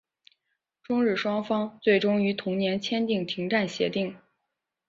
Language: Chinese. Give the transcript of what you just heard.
中日双方最终于同年签订停战协定。